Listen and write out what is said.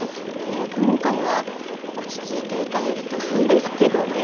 今回は落ち着いて歌えるといいんですけどね。